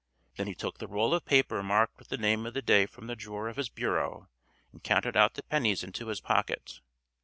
Then he took the roll of paper marked with the name of the day from the drawer of his bureau and counted out the pennies into his pocket.